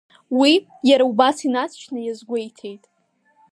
Уи, иара убас, инаҵшьны иазгәеиҭеит…